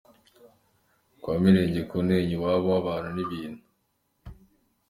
Kwa Mirenge ku Ntenyo ni iwabo w’abantu n’ibintu.